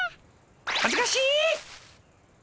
恥ずかしい！